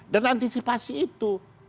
dan antisipasi itu